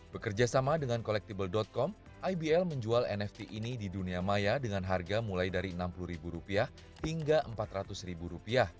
bekerja sama dengan collectible com ibl menjual nft ini di dunia maya dengan harga mulai dari rp enam puluh hingga rp empat ratus